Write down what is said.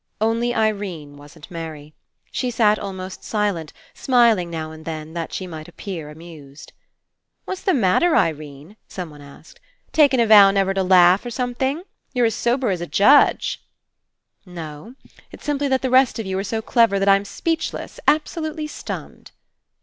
Only Irene wasn't merry. She sat almost silent, smiling now and then, that she might appear amused. "What's the matter, Irene?" someone asked. "Taken a vow never to laugh, or some thing? You're as sober as a judge." 205 PASSING * "No. It's simply that the rest of you are so clever that I'm speechless, absolutely stunned."